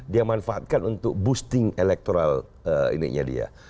dia manfaatkan untuk boosting electoral ininya dia